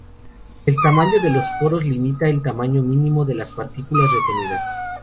El tamaño de los poros limita el tamaño mínimo de las partículas retenidas.